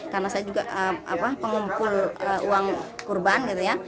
karena saya juga pengumpul uang kurban gitu ya